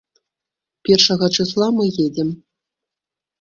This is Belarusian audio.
Першага чысла мы едзем.